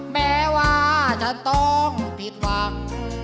แม้ว่าจะต้องผิดหวัง